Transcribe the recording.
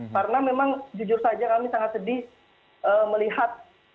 karena memang jujur saja kami sangat sedih melihat